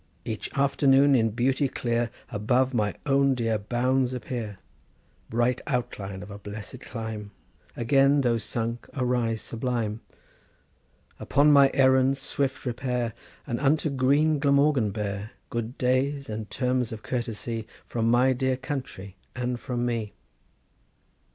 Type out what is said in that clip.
Each afternoon in beauty clear Above my own dear bounds appear! Bright outline of a blessed clime, Again, though sunk, arise sublime— Upon my errand, swift repair, And unto green Glamorgan bear Good days and terms of courtesy From my dear country and from me!